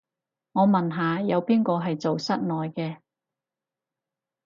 我問下，有邊個係做室內嘅